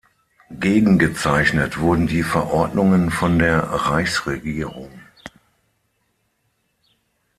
Gegengezeichnet wurden die Verordnungen von der Reichsregierung.